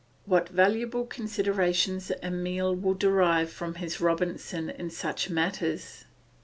What valuable considerations Emile will derive from his Robinson in such matters.